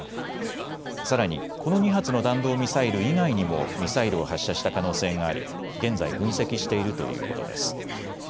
さらにこの２発の弾道ミサイル以外にもミサイルを発射した可能性があり現在、分析しているということです。